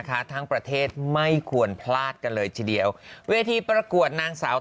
ทั้งประเทศไม่ควรพลาดกันเลยทีเดียวเวทีประกวดนางสาว